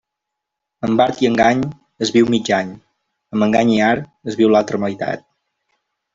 Amb art i engany, es viu mig any; amb engany i art, es viu l'altra meitat.